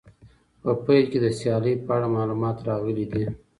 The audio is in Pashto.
په پیل کې د سیالۍ په اړه معلومات راغلي دي.